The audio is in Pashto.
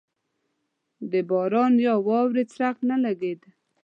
د باران یا واورې څرک نه لګېده.